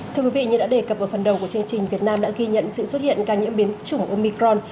thưa quý vị như đã đề cập ở phần đầu của chương trình việt nam đã ghi nhận sự xuất hiện ca nhiễm biến chủng omicron